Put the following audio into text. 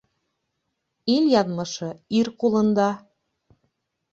Ил яҙмышы ир ҡулында.